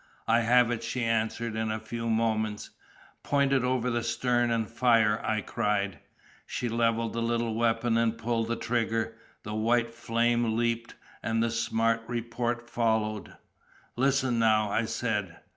"I have it," she answered, in a few moments. "Point it over the stern and fire!" I cried. She levelled the little weapon and pulled the trigger; the white flame leaped, and a smart report followed. "Listen now!" I said.